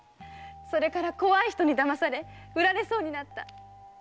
それから怖い人に騙され売られそうになった。